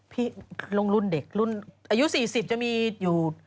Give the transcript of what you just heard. พี่รุ่นเด็กอายุ๔๐จะมีอยู่